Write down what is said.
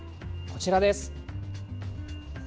こちらです。